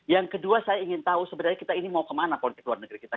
yang kedua saya ingin tahu sebenarnya kita ini mau kemana politik luar negeri kita